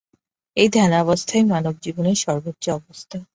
এই ধ্যানাবস্থাই মানব জীবনের সর্বোচ্চ অবস্থা।